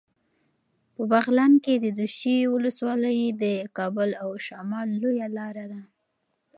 په بغلان کې د دوشي ولسوالي د کابل او شمال لویه لاره ده.